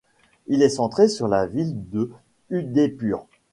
Il était centré sur la ville de Udaipur.